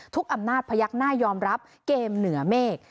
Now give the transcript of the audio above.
อำนาจพยักหน้ายอมรับเกมเหนือเมฆ